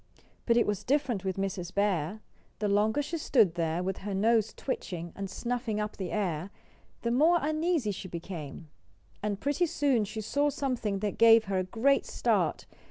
But it was different with Mrs. Bear. The longer she stood there, with her nose twitching, and snuffing up the air, the more uneasy she became. And pretty soon she saw something that gave her a great start.